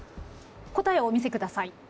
答えをお見せください。